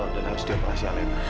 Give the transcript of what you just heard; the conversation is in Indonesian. dan harus dioperasi